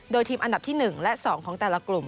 โดยทีมอันดับที่๑และ๒ของแต่ละกลุ่ม